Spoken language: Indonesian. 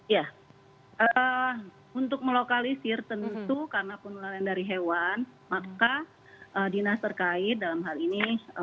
ya untuk melokalisir tentu karena penularan dari hewan maka dinas terkait dalam hal ini